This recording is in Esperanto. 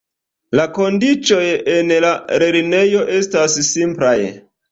La kondiĉoj en la lernejo estas simplaj.